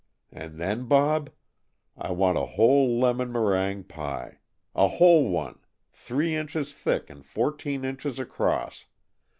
And then, Bob, I want a whole lemon meringue pie. A whole one, three inches thick and fourteen inches across.